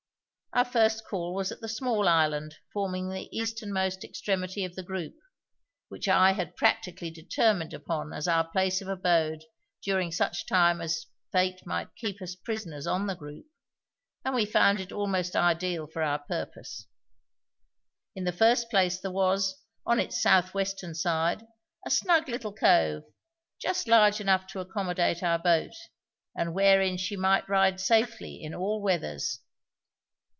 Our first call was at the small island forming the easternmost extremity of the group, which I had practically determined upon as our place of abode during such time as fate might keep us prisoners on the group; and we found it almost ideal for our purpose. In the first place there was, on its south western side, a snug little cove, just large enough to accommodate our boat, and wherein she might ride safely in all weathers.